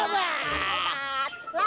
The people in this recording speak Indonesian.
hebat rahat hebat